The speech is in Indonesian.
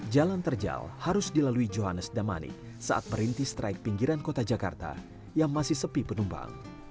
jalan terjal harus dilalui johannes damani saat merintis traik pinggiran kota jakarta yang masih sepi penumpang